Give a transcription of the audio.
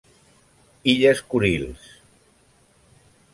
Illes Kurils.